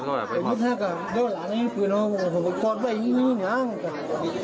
ก็พอดูแล้วก็เยอะหลายหนึ่งพื้นพวกน้องกอดไปง่างน้อย